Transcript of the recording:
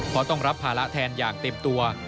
เพราะต้องรับภาระแทนอย่างเต็มตัว